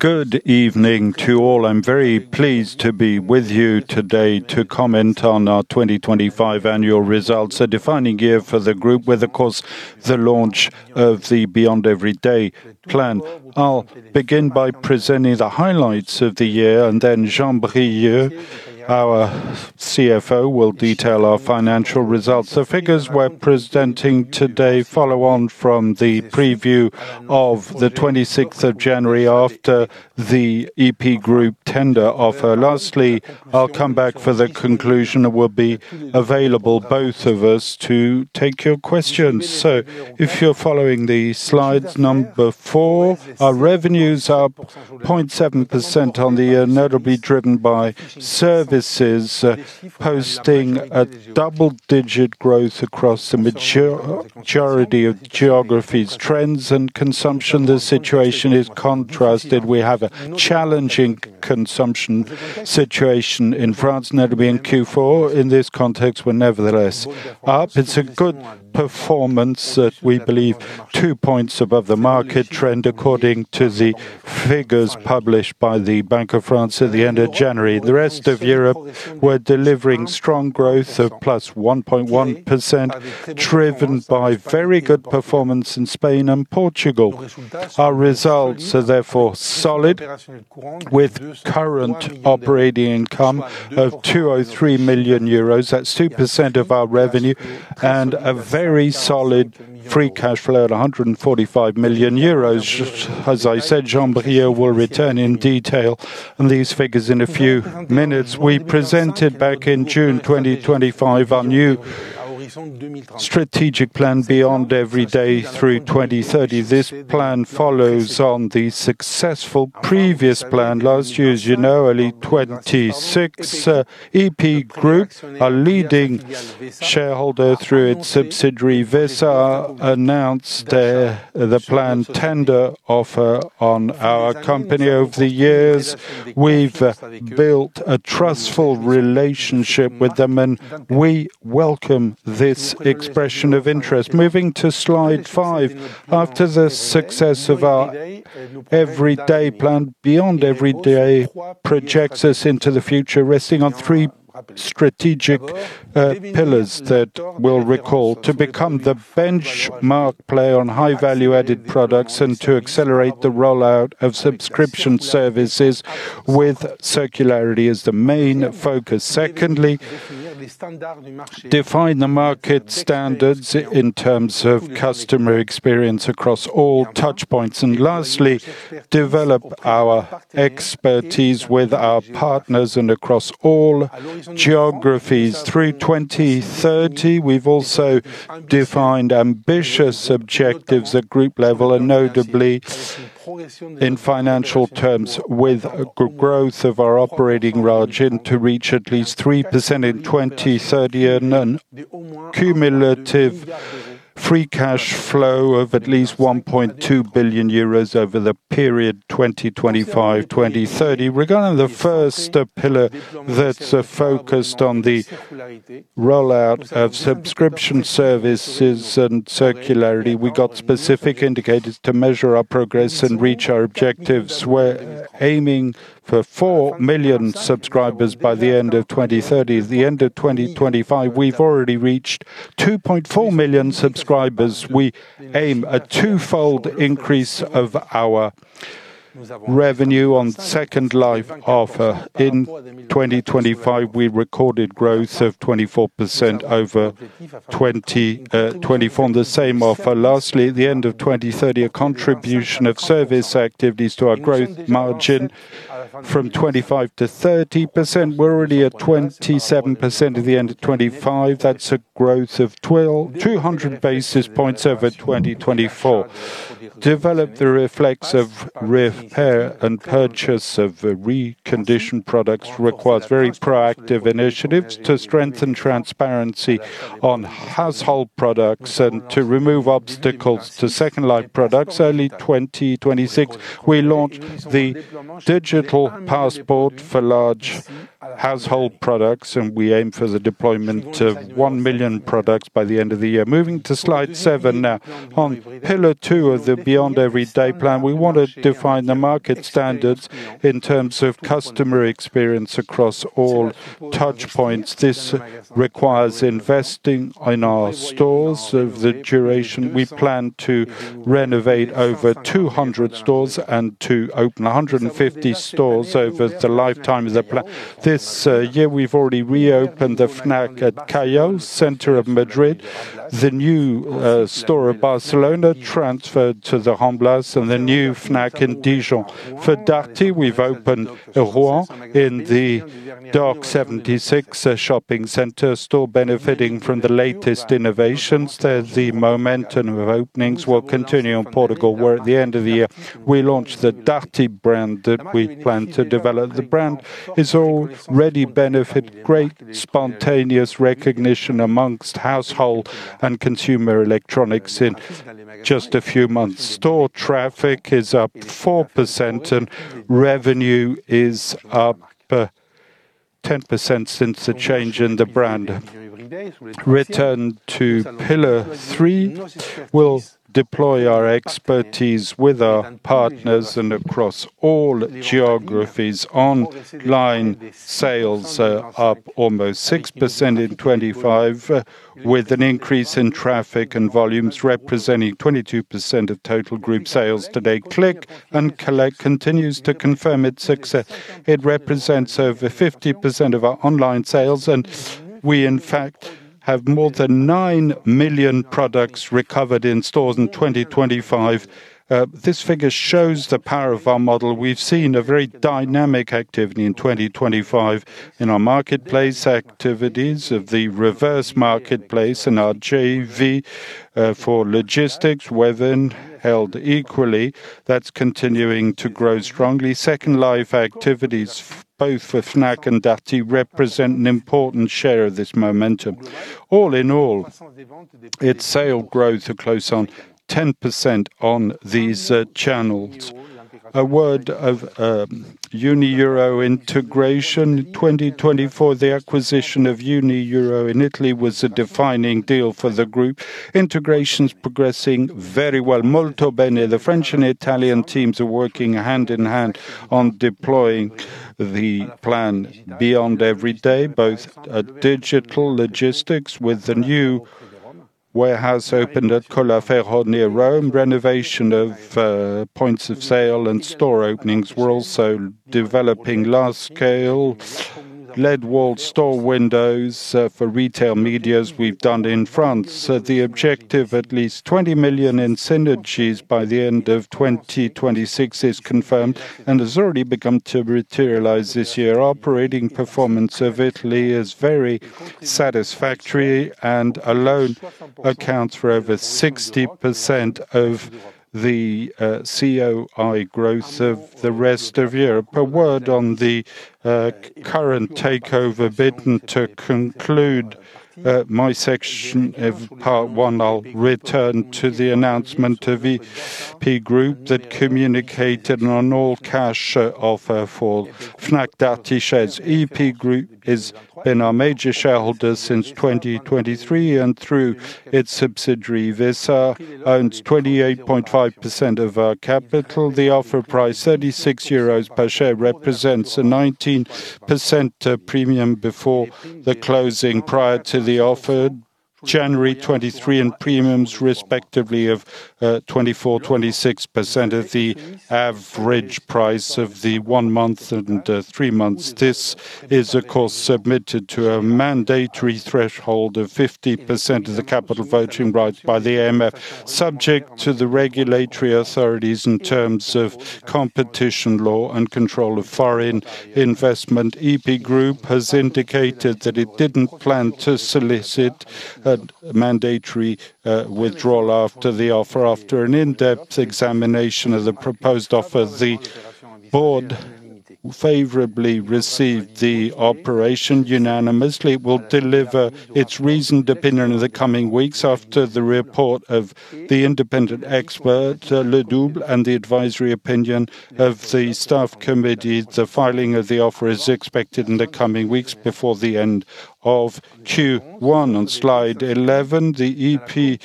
Good evening to all. I'm very pleased to be with you today to comment on our 2025 annual results, a defining year for the group, with, of course, the launch of the Beyond Everyday plan. I'll begin by presenting the highlights of the year, and then Jean-Brieuc, our CFO, will detail our financial results. The figures we're presenting today follow on from the preview of the 26th of January after the EP Group tender offer. Lastly, I'll come back for the conclusion, and we'll be available, both of us, to take your questions. If you're following the slides, number 4, our revenue's up 0.7% on the year, notably driven by services, posting a double-digit growth across the majority of geographies. Trends and consumption, the situation is contrasted. We have a challenging consumption situation in France, notably in Q4. In this context, we're nevertheless up. It's a good performance, we believe 2 points above the market trend, according to the figures published by the Bank of France at the end of January. The rest of Europe, we're delivering strong growth of +1.1%, driven by very good performance in Spain and Portugal. Our results are therefore solid, with current operating income of 203 million euros. That's 2% of our revenue, and a very solid free cash flow at 145 million euros. As I said, Jean-Brieuc will return in detail on these figures in a few minutes. We presented back in June 2025, our new strategic plan, Beyond Everyday, through 2030. This plan follows on the successful previous plan. Last year, as you know, early 2026, EP Group, a leading shareholder through its subsidiary, Vesa, announced the planned tender offer on our company. Over the years, we've built a trustful relationship with them, and we welcome this expression of interest. Moving to slide 5. After the success of our Everyday plan, Beyond Everyday projects us into the future, resting on 3 strategic pillars that we'll recall. To become the benchmark player on high-value added products and to accelerate the rollout of subscription services with circularity as the main focus. Secondly, define the market standards in terms of customer experience across all touchpoints. Lastly, develop our expertise with our partners and across all geographies. Through 2030, we've also defined ambitious objectives at group level, and notably in financial terms, with growth of our operating margin to reach at least 3% in 2030 and an cumulative free cash flow of at least 1.2 billion euros over the period 2025-2030. Regarding the first pillar that's focused on the rollout of subscription services and circularity, we got specific indicators to measure our progress and reach our objectives. We're aiming for 4 million subscribers by the end of 2030. At the end of 2025, we've already reached 2.4 million subscribers. We aim a twofold increase of our revenue on Second Life offer. In 2025, we recorded growth of 24% over 2024 on the same offer. At the end of 2030, a contribution of service activities to our growth margin from 25%-30%. We're already at 27% at the end of 2025. That's a growth of 200 basis points over 2024. Develop the reflex of repair and purchase of reconditioned products requires very proactive initiatives to strengthen transparency on household products and to remove obstacles to Second Life products. Early 2026, we launched the Digital Product Passport for large household products, and we aim for the deployment of 1 million products by the end of the year. Moving to slide 7. On pillar two of the Beyond everyday plan, we want to define the market standards in terms of customer experience across all touchpoints. This requires investing in our stores. Over the duration, we plan to renovate over 200 stores and to open 150 stores over the lifetime of the plan. This year, we've already reopened the Fnac at Callao, center of Madrid, the new store of Barcelona, transferred to the Ramblas, and the new Fnac in Dijon. For Darty, we've opened a wall in the Docks 76 shopping center store, benefiting from the latest innovations. The momentum of openings will continue in Portugal, where at the end of the year, we launched the Darty brand that we plan to develop. The brand is already benefit great spontaneous recognition amongst household and consumer electronics in just a few months. Store traffic is up 4%, and revenue is up 10% since the change in the brand. Return to pillar 3, we'll deploy our expertise with our partners and across all geographies. Online sales are up almost 6% in 2025, with an increase in traffic and volumes representing 22% of total group sales today. Click and Collect continues to confirm its success. It represents over 50% of our online sales, and we, in fact, have more than 9 million products recovered in stores in 2025. This figure shows the power of our model. We've seen a very dynamic activity in 2025 in our marketplace activities, of the reverse marketplace and our JV, for logistics, within held equally, that's continuing to grow strongly. Second Life activities, both for Fnac and Darty, represent an important share of this momentum. All in all, its sale growth are close on 10% on these channels. A word of Unieuro integration. 2024, the acquisition of Unieuro in Italy was a defining deal for the group. Integration's progressing very well. Molto bene. The French and Italian teams are working hand in hand on deploying the plan Beyond everyday, both at digital logistics with the new warehouse opened at Colleferro near Rome. Renovation of points of sale and store openings. We're also developing large-scale LED wall store windows, for retail media we've done in France. The objective, at least 20 million in synergies by the end of 2026, is confirmed and has already begun to materialize this year. Operating performance of Italy is very satisfactory and alone accounts for over 60% of the COI growth of the rest of Europe. A word on the current takeover bid, to conclude my section of part one, I'll return to the announcement of the EP Group that communicated an all-cash offer for Fnac Darty shares. EP Group has been our major shareholder since 2023, and through its subsidiary, Vesa owns 28.5% of our capital. The offer price, 36 euros per share, represents a 19% premium before the closing prior to the offer, January 23, and premiums respectively of 24%, 26% of the average price of the 1 month and 3 months. This is, of course, submitted to a mandatory threshold of 50% of the capital voting rights by the AMF, subject to the regulatory authorities in terms of competition, law and control of foreign investment. EP Group has indicated that it didn't plan to solicit a mandatory withdrawal after the offer. After an in-depth examination of the proposed offer, the board favorably received the operation unanimously. It will deliver its reasoned opinion in the coming weeks after the report of the independent expert, Ledouble, and the advisory opinion of the staff committee. The filing of the offer is expected in the coming weeks before the end of Q1. On slide 11, the EP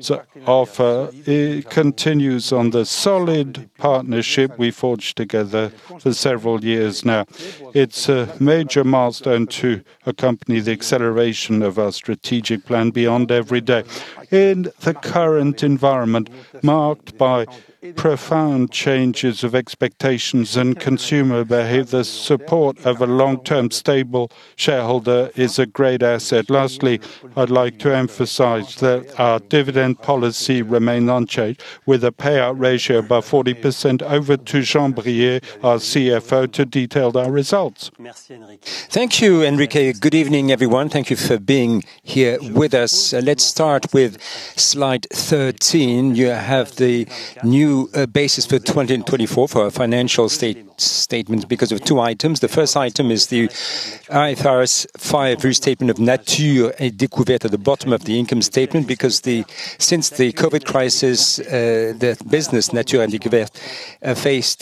so offer, it continues on the solid partnership we forged together for several years now. It's a major milestone to accompany the acceleration of our strategic plan Beyond everyday. In the current environment, marked by profound changes of expectations in consumer behavior, support of a long-term, stable shareholder is a great asset. Lastly, I'd like to emphasize that our dividend policy remain unchanged, with a payout ratio above 40%. Over to Jean-Brieuc, our CFO, to detail our results. Thank you, Enrique. Good evening, everyone. Thank you for being here with us. Let's start with slide 13. You have the new basis for 2024 for our financial statement because of 2 items. The first item is the IFRS 5 restatement of Nature & Découvertes at the bottom of the income statement, because since the COVID crisis, the business, Nature & Découvertes, faced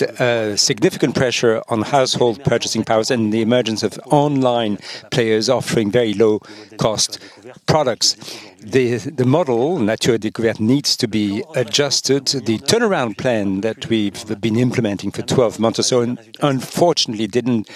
significant pressure on household purchasing powers and the emergence of online players offering very low-cost products. The model, Nature & Découvertes, needs to be adjusted. The turnaround plan that we've been implementing for 12 months or so unfortunately didn't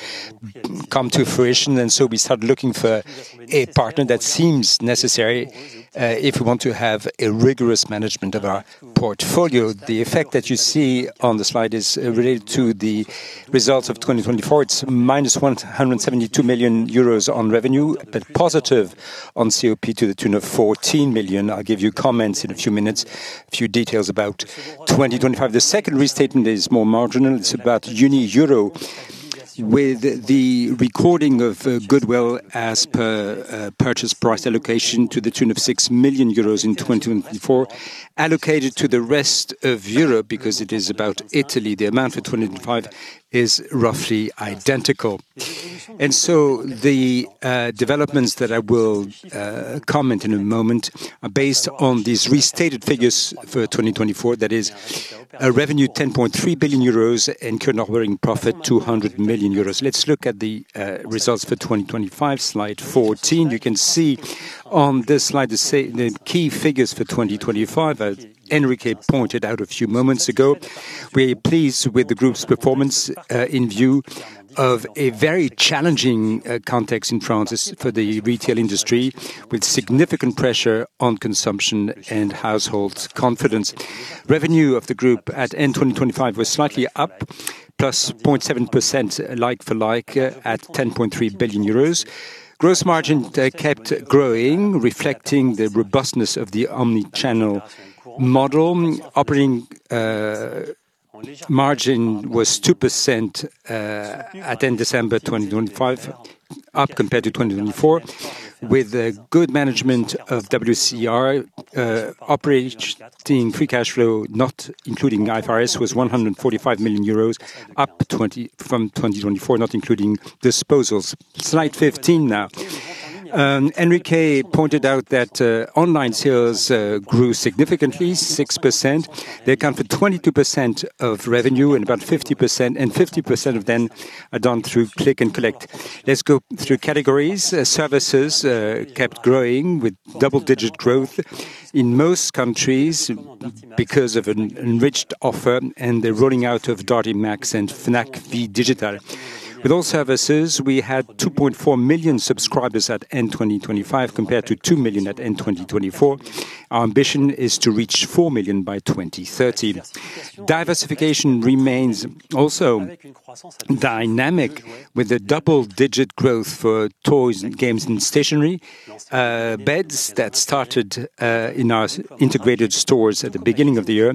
come to fruition. We started looking for a partner. That seems necessary if we want to have a rigorous management of our portfolio. The effect that you see on the slide is related to the results of 2024. It's -172 million euros on revenue, but positive on COP to the tune of 14 million. I'll give you comments in a few minutes, a few details about 2025. The second restatement is more marginal. It's about Unieuro. With the recording of goodwill as per Purchase Price Allocation to the tune of 6 million euros in 2024, allocated to the rest of Europe, because it is about Italy, the amount for 2025 is roughly identical. The developments that I will comment in a moment are based on these restated figures for 2024. That is a revenue 10.3 billion euros and current operating profit, 200 million euros. Let's look at the results for 2025, slide 14. You can see on this slide, the key figures for 2025, as Enrique pointed out a few moments ago. We're pleased with the group's performance, in view of a very challenging context in France for the retail industry, with significant pressure on consumption and households' confidence. Revenue of the group at end 2025 was slightly up, +0.7% like for like, at 10.3 billion euros. Gross margin kept growing, reflecting the robustness of the omni-channel model. Operating margin was 2% at end December 2025, up compared to 2024, with a good management of WCR. Operating free cash flow, not including IFRS, was 145 million euros, up 20 from 2024, not including disposals. Slide 15 now. Enrique pointed out that online sales grew significantly, 6%. They account for 22% of revenue and about 50% of them are done through Click and Collect. Let's go through categories. Services kept growing with double-digit growth in most countries because of an enriched offer and the rolling out of Darty Max and Fnac Vie Digitale. With all services, we had 2.4 million subscribers at end 2025, compared to 2 million at end 2024. Our ambition is to reach 4 million by 2030. Diversification remains also dynamic, with a double-digit growth for toys, games and stationery. Beds that started in our integrated stores at the beginning of the year,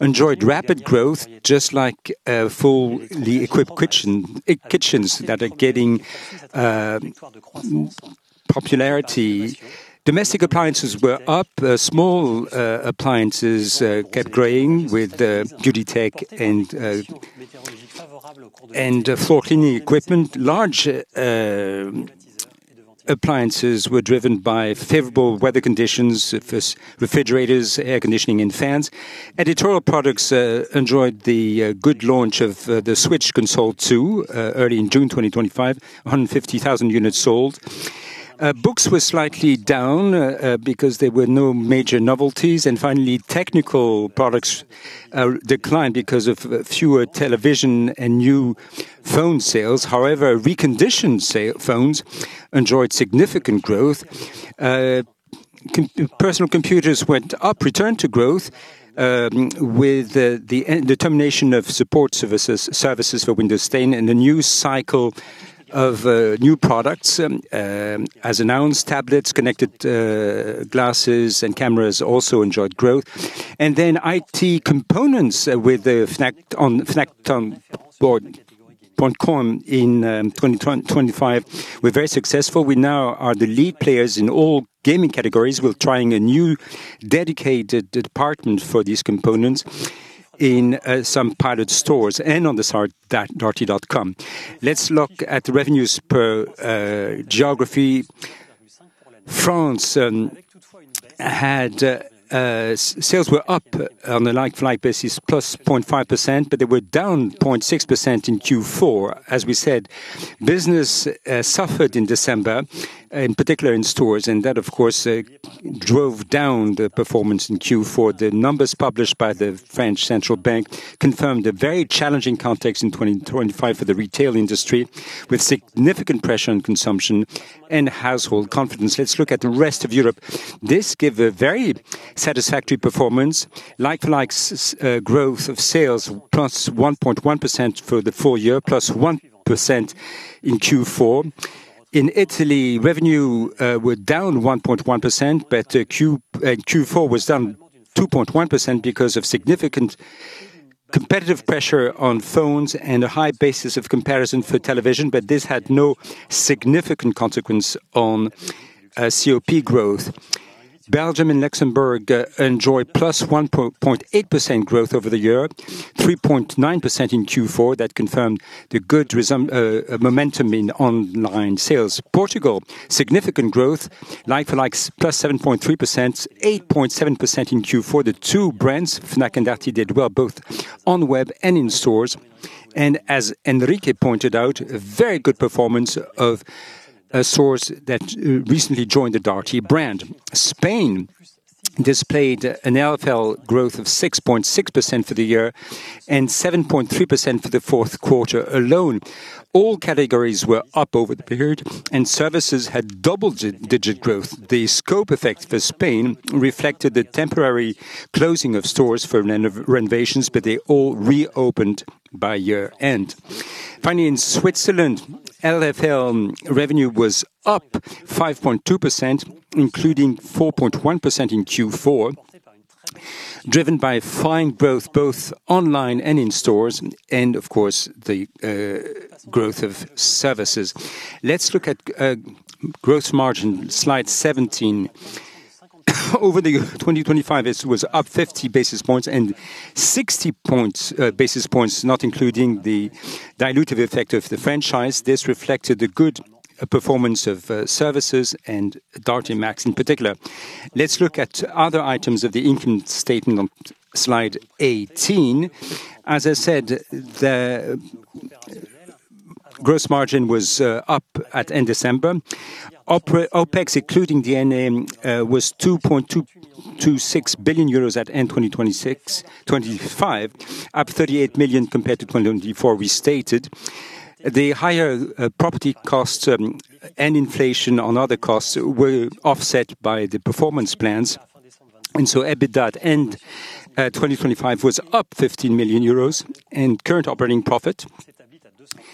enjoyed rapid growth, just like equipped kitchens that are getting popularity. Domestic appliances were up. Small appliances kept growing with beauty tech and for cleaning equipment. Large appliances were driven by favorable weather conditions for refrigerators, air conditioning and fans. Editorial products enjoyed the good launch of the Nintendo Switch 2 early in June 2025, 150,000 units sold. Books were slightly down because there were no major novelties. Finally, technical products declined because of fewer television and new phone sales. However, reconditioned phones enjoyed significant growth. Personal computers went up, returned to growth with the determination of support services for Windows 10 and the new cycle of new products. As announced, tablets, connected glasses and cameras also enjoyed growth. Then IT components with the Fnac, on Fnac.com in 2025, were very successful. We now are the lead players in all gaming categories. We're trying a new dedicated department for these components in some pilot stores and on the site, darty.com. Let's look at the revenues per geography. France had sales were up on the like-for-like basis, plus 0.5%, but they were down 0.6% in Q4. As we said, business suffered in December, in particular in stores, and that of course, drove down the performance in Q4. The numbers published by the French Central Bank confirmed a very challenging context in 2025 for the retail industry, with significant pressure on consumption and household confidence. Let's look at the rest of Europe. This give a very satisfactory performance, like-to-likes, growth of sales, plus 1.1% for the full year, plus 1% in Q4. In Italy, revenue were down 1.1%. Q4 was down 2.1% because of significant competitive pressure on phones and a high basis of comparison for television. This had no significant consequence on COP growth. Belgium and Luxembourg enjoyed +1.8% growth over the year, 3.9% in Q4. That confirmed the good momentum in online sales. Portugal, significant growth, like for likes, +7.3%, 8.7% in Q4. The two brands, Fnac and Darty, did well both on the web and in stores. As Enrique pointed out, a very good performance of a source that recently joined the Darty brand. Spain displayed an LFL growth of 6.6% for the year and 7.3% for the fourth quarter alone. All categories were up over the period, and services had double-digit growth. The scope effect for Spain reflected the temporary closing of stores for renovations. They all reopened by year end. Finally, in Switzerland, LFL revenue was up 5.2%, including 4.1% in Q4, driven by fine growth, both online and in stores, and of course, the growth of services. Let's look at growth margin, slide 17. Over the 2025, it was up 50 basis points and 60 basis points, not including the dilutive effect of the franchise. This reflected the good performance of services and Darty Max, in particular. Let's look at other items of the income statement on slide 18. As I said, the gross margin was up at end December. OPEX, including DNM, was 2.2 billion-2.6 billion euros at end 2026, 2025, up 38 million compared to 2024 restated. The higher property costs and inflation on other costs were offset by the performance plans. EBITDA at end 2025 was up 15 million euros, and current operating profit,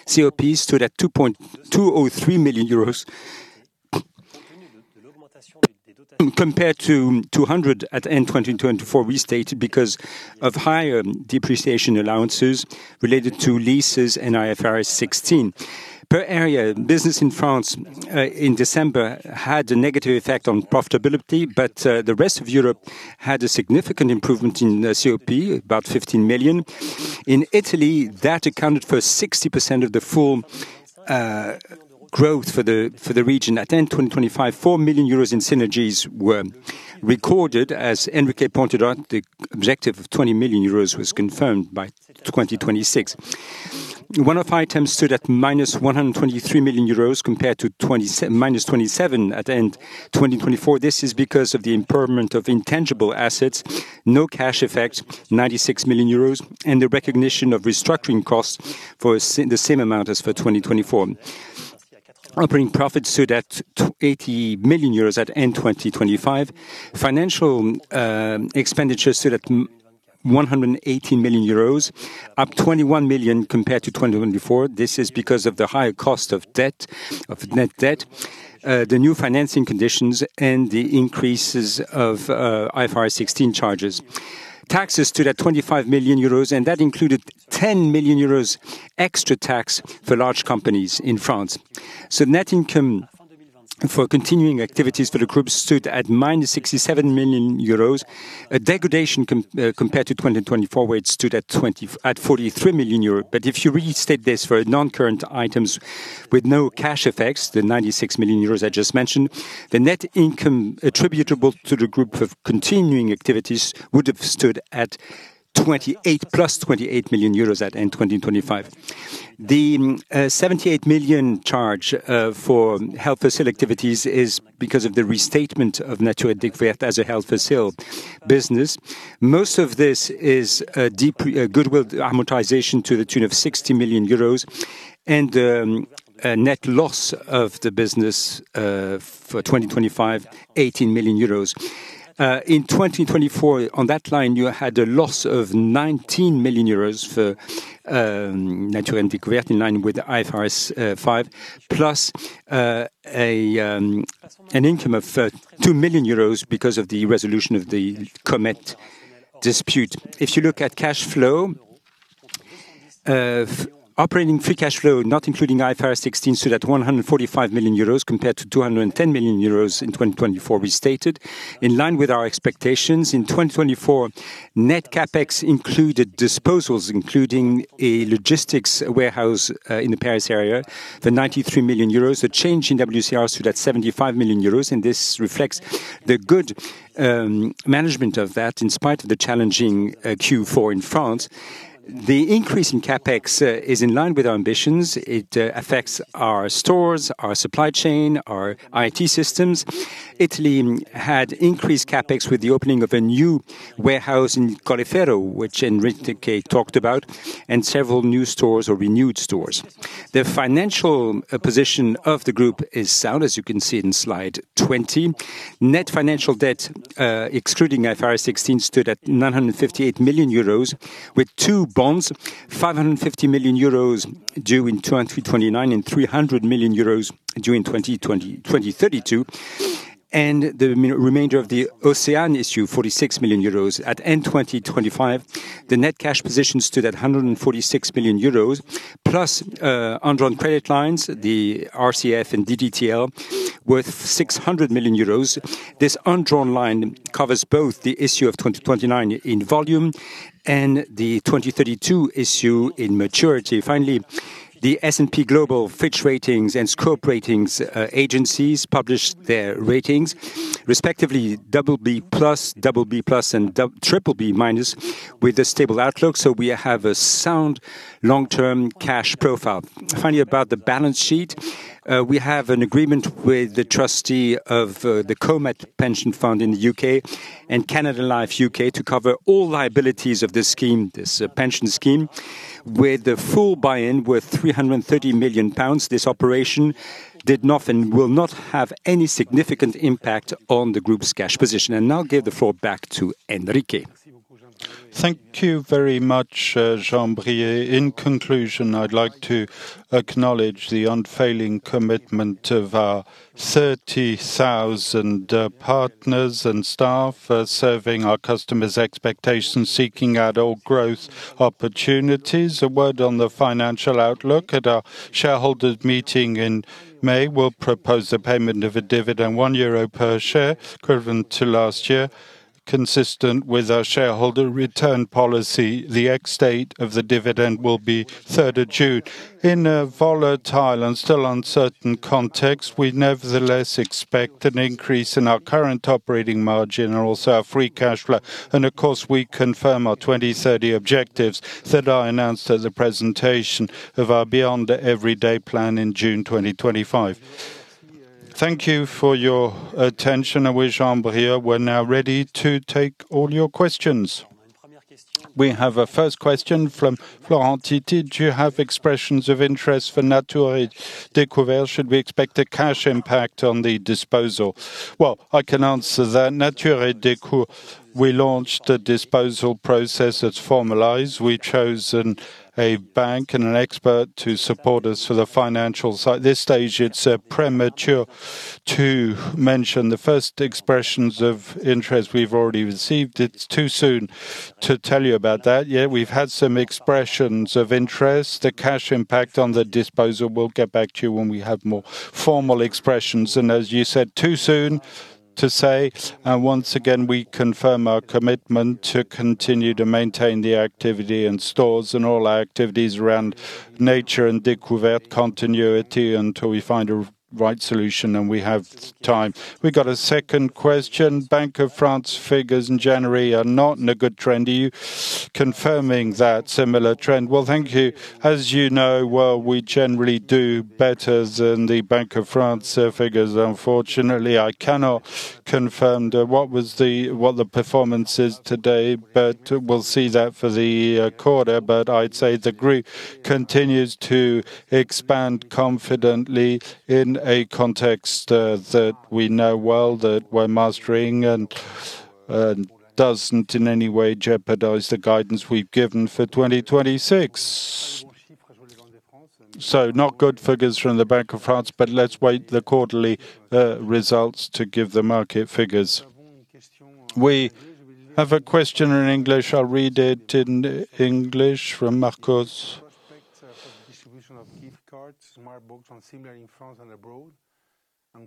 COP, stood at 2.2 million euros or 3 million euros. Compared to 200 at end 2024 restated because of higher depreciation allowances related to leases and IFRS 16. Per area, business in France, in December, had a negative effect on profitability, the rest of Europe had a significant improvement in COP, about 15 million. In Italy, that accounted for 60% of the full growth for the region. At end 2025, 4 million euros in synergies were recorded. As Enrique pointed out, the objective of 20 million euros was confirmed by 2026. One of items stood at -123 million euros compared to -27 at the end 2024. This is because of the impairment of intangible assets, no cash effect, 96 million euros, and the recognition of restructuring costs for the same amount as for 2024. Operating profits stood at 80 million euros at end 2025. Financial expenditures stood at 118 million euros, up 21 million compared to 2024. This is because of the higher cost of debt, of net debt, the new financing conditions, and the increases of IFRS 16 charges. Taxes stood at 25 million euros, that included 10 million euros extra tax for large companies in France. Net income for continuing activities for the group stood at minus 67 million euros, a degradation compared to 2024, where it stood at 43 million euros. If you restate this for non-current items with no cash effects, the 96 million euros I just mentioned, the net income attributable to the group of continuing activities would have stood at +28 million euros at end 2025. The 78 million charge for health facility activities is because of the restatement of Nature & Découvertes as a health facility business. Most of this is goodwill amortization to the tune of 60 million euros and a net loss of the business for 2025, 18 million euros. In 2024, on that line, you had a loss of 19 million euros for Nature & Découvertes, in line with the IFRS 5, plus an income of 2 million euros because of the resolution of the Comet litigation. If you look at cash flow, of operating free cash flow, not including IFRS 16, stood at 145 million euros compared to 210 million euros in 2024 restated. In line with our expectations, in 2024, net CapEx included disposals, including a logistics warehouse in the Paris area, the 93 million euros, a change in WCR stood at 75 million euros. This reflects the good management of that, in spite of the challenging Q4 in France. The increase in CapEx is in line with our ambitions. It affects our stores, our supply chain, our IT systems. Italy had increased CapEx with the opening of a new warehouse in Colleferro, which Enrique talked about, and several new stores or renewed stores. The financial position of the group is sound, as you can see in Slide 20. Net financial debt, excluding IFRS 16, stood at 958 million euros, with two bonds, 550 million euros due in 2029 and 300 million euros due in 2032, and the remainder of the OCEANE issue, 46 million euros. At end 2025, the net cash position stood at 146 million euros, plus undrawn credit lines, the RCF and DDTL, worth 600 million euros. This undrawn line covers both the issue of 2029 in volume and the 2032 issue in maturity. Finally, the S&P Global, Fitch Ratings and Scope Ratings, agencies published their ratings, respectively, BB+, BB+ and BBB-, with a stable outlook, so we have a sound long-term cash profile. Finally, about the balance sheet. We have an agreement with the trustee of the Comet Pension Scheme in the UK and Canada Life UK to cover all liabilities of this scheme, this pension scheme, with the full buy-in worth 330 million pounds. This operation did not and will not have any significant impact on the group's cash position. Now give the floor back to Enrique. Thank you very much, Jean-Brieuc. In conclusion, I'd like to acknowledge the unfailing commitment of our 30,000 partners and staff for serving our customers' expectations, seeking out all growth opportunities. A word on the financial outlook. At our shareholders' meeting in May, we'll propose a payment of a dividend, 1 euro per share, equivalent to last year, consistent with our shareholder return policy. The ex-date of the dividend will be 3rd of June. In a volatile and still uncertain context, we nevertheless expect an increase in our current operating margin and also our free cash flow. Of course, we confirm our 2030 objectives that are announced as a presentation of our Beyond Everyday plan in June 2025. Thank you for your attention. With Jean-Brieuc, we're now ready to take all your questions. We have a first question from Florentiti: Did you have expressions of interest for Nature & Découvertes? Should we expect a cash impact on the disposal? Well, I can answer that. Nature & Découvertes, we launched a disposal process that's formalized. We've chosen a bank and an expert to support us for the financial side. This stage, it's premature to mention the first expressions of interest we've already received. It's too soon to tell you about that. Yeah, we've had some expressions of interest. The cash impact on the disposal, we'll get back to you when we have more formal expressions. As you said, too soon to say. Once again, we confirm our commitment to continue to maintain the activity and stores and all our activities around Nature & Découvertes continuity until we find a right solution, and we have time. We got a second question. Bank of France figures in January are not in a good trend. Are you confirming that similar trend? Well, thank you. As you know, well, we generally do better than the Bank of France figures. Unfortunately, I cannot confirm the performance is today, but we'll see that for the quarter. I'd say the group continues to expand confidently in a context that we know well, that we're mastering and doesn't in any way jeopardize the guidance we've given for 2026. Not good figures from the Bank of France, but let's wait the quarterly results to give the market figures. We have a question in English. I'll read it in English from Marcos. Prospect for the distribution of gift cards, Smartbox, and similar in France and abroad.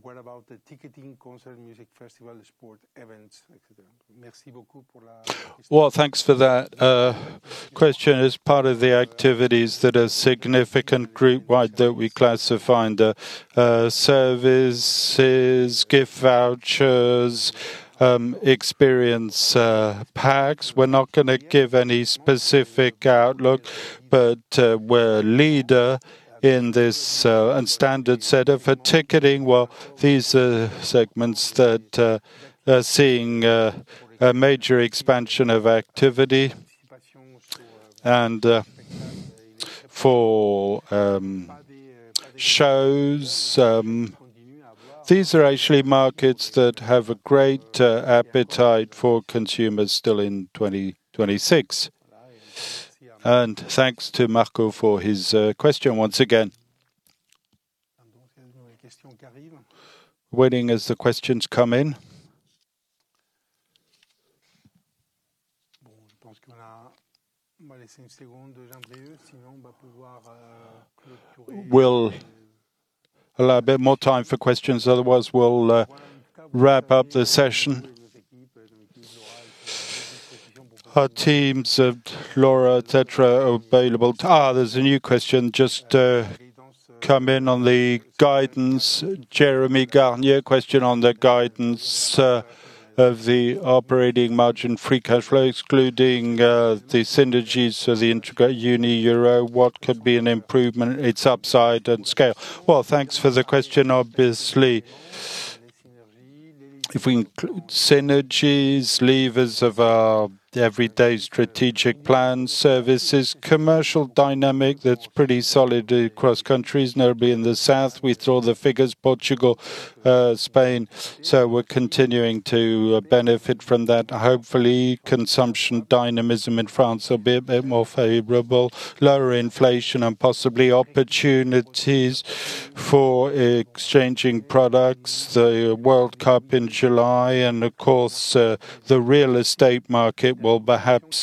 What about the ticketing, concert, music festival, sport events, et cetera? Merci beaucoup. Well, thanks for that question. As part of the activities that are significant group wide, that we classify under services, gift vouchers, experience packs. We're not gonna give any specific outlook, but we're a leader in this and standard setter for ticketing. Well, these are segments that are seeing a major expansion of activity and for shows. These are actually markets that have a great appetite for consumers still in 2026. Thanks to Marcos for his question once again. Waiting as the questions come in. We'll allow a bit more time for questions, otherwise we'll wrap up the session. Our teams of Laura, et cetera, are available. There's a new question just come in on the guidance. Question on the guidance of the operating margin, free cash flow, excluding the synergies of the integra Unieuro, what could be an improvement, its upside and scale? Thanks for the question. Obviously, if we include synergies, levers of our Everyday strategic plan, services, commercial dynamic, that's pretty solid across countries, notably in the south. We saw the figures, Portugal, Spain, so we're continuing to benefit from that. Hopefully, consumption dynamism in France will be a bit more favorable, lower inflation and possibly opportunities for exchanging products, the World Cup in July, and of course, the real estate market will perhaps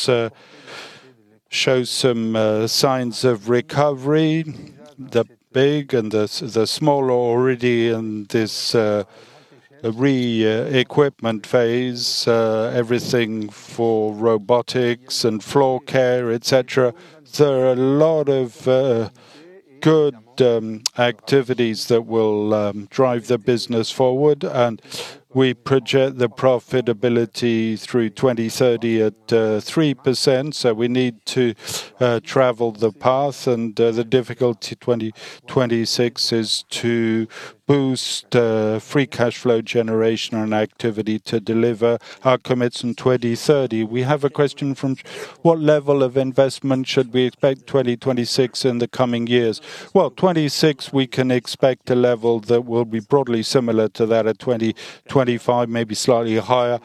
show some signs of recovery. The big and the small already in this re-equipment phase, everything for robotics and floor care, et cetera. There are a lot of good activities that will drive the business forward, and we project the profitability through 2030 at 3%. We need to travel the path and the difficulty 2026 is to boost free cash flow generation and activity to deliver our commits in 2030. We have a question from: What level of investment should we expect 2026 in the coming years? Well, 2026, we can expect a level that will be broadly similar to that of 2025, maybe slightly higher.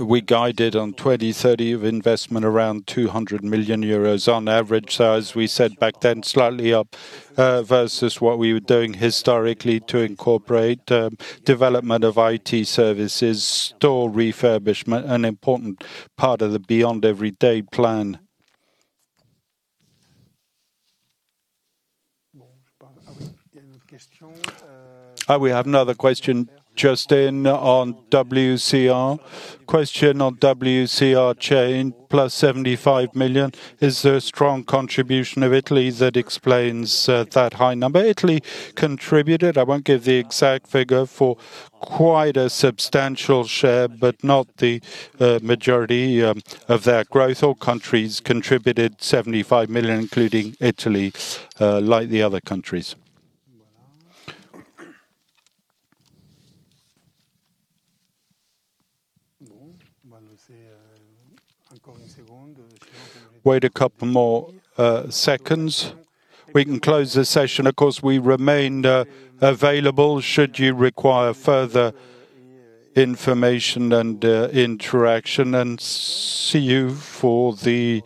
We guided on 2030 of investment, around 200 million euros on average. As we said back then, slightly up versus what we were doing historically to incorporate development of IT services, store refurbishment, an important part of the Beyond Everyday plan. We have another question just in on WCR. Question on WCR chain, plus 75 million. Is there a strong contribution of Italy that explains that high number? Italy contributed, I won't give the exact figure, for quite a substantial share, but not the majority of that growth. All countries contributed 75 million, including Italy, like the other countries. Wait a couple more seconds. We can close the session. Of course, we remain available should you require further information and interaction. See you for the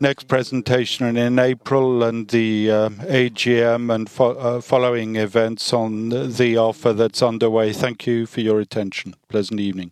next presentation in April and the AGM and following events on the offer that's underway. Thank you for your attention. Pleasant evening.